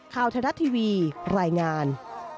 ข่าวทะละทีวีรายงาน